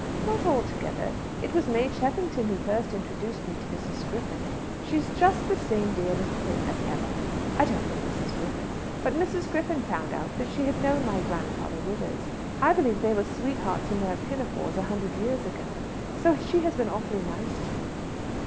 "Not altogether. It was May Cheffington who first introduced me to Mrs. Griffin. She's just the same dear little thing as ever I don't mean Mrs. Griffin! But Mrs. Griffin found out that she had known my grandfather Rivers. I believe they were sweethearts in their pinafores a hundred years ago; so she has been awfully nice to me."